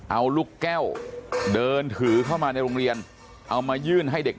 เอาลูกแก้วเดินถือเข้ามาในโรงเรียนเอามายื่นให้เด็ก